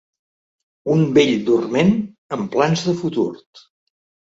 Un bell dorment amb plans de futur.